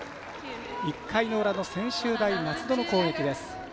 １回の裏の専修大松戸の攻撃です。